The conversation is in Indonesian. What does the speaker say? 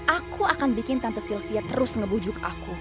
aku akan bikin tante sylvia terus ngebujuk aku